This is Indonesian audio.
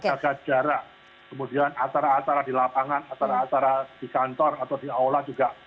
agak jarak kemudian atara atara di lapangan atara atara di kantor atau di aula juga